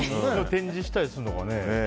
展示したりするのかね。